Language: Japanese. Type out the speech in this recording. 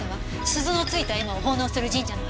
鈴の付いた絵馬を奉納する神社のはず。